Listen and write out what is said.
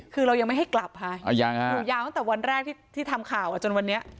คือเรายังไม่ให้กลับค่ะยังฮะอยู่ยาวตั้งแต่วันแรกที่ทำข่าวจนวันนี้